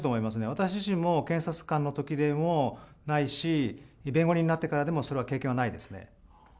私自身も検察官のときでもないし、弁護人になってからでも、それは経験はないですね。